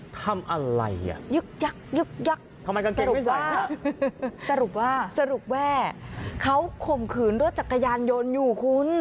ทำอะไรอ่ะยึกยักยึกยักสรุปว่าเขาคมขื่นรถจักรยานยนต์อยู่คุณ